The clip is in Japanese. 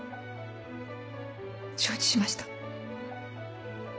承知しました。